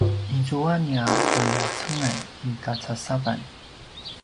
izua nia puljacengan i kacasavan